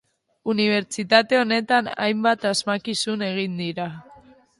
Unibertsitate honetan, hainbat asmakizun egin dira.